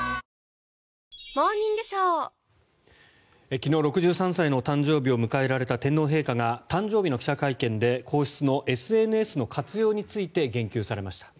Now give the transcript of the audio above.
昨日、６３歳の誕生日を迎えられた天皇陛下が誕生日の記者会見で皇室のＳＮＳの活用について言及されました。